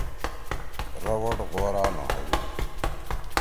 رَوڑ غورا نہ ہودُّ۔